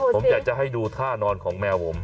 ผมอยากจะให้ดูท่านอนของแมวผม